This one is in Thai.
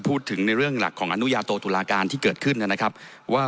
พูดถึงในเรื่องหลักของอนุญาโตตุลาการที่เกิดขึ้นนะครับว่า